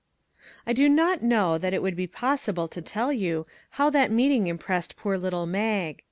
I do not know that it would be possible to tell you how that meeting impressed poor little Mag.